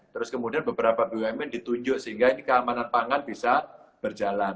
terus kemudian beberapa bumn ditunjuk sehingga ini keamanan pangan bisa berjalan